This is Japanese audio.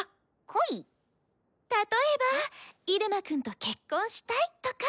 例えば入間くんと結婚したいとか。